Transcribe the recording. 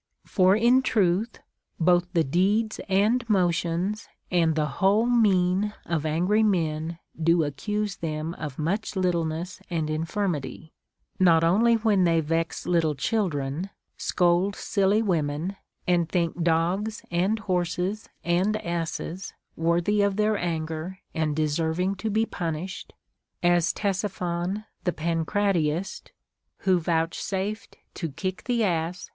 For, in truth, both the deeds and motions and the whole mien of angry men do accuse them of much little ness and infirmity, not only when they vex little children, scold silly women, and think dogs and horses and asses Avorthy of their anger and deserving to be punished (as Ctesiphon the Pancratiast, who vouchsafed to kick the ass CONCERNING THE CURE OF ANGER.